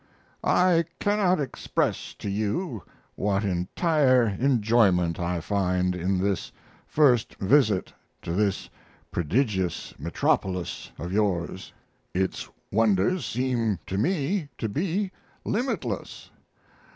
I cannot express to you what entire enjoyment I find in this first visit to this prodigious metropolis of yours. Its wonders seem to me to be limitless.